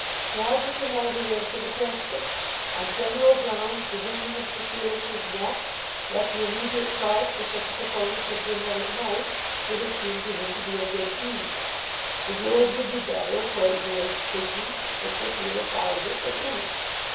Roger could hardly answer the question. On general grounds the wringing of Sir Felix's neck, let the immediate cause for such a performance have been what it might, would have seemed to him to be a good deed. The world would be better, according to his thinking, with Sir Felix out of it than in it.